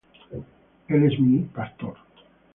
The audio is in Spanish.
El es mi pastor.